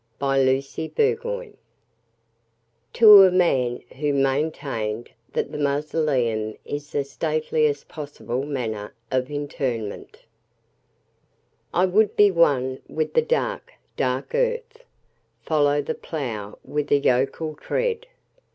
The Traveller heart (To a Man who maintained that the Mausoleum is the Stateliest Possible Manner of Interment) I would be one with the dark, dark earth:— Follow the plough with a yokel tread.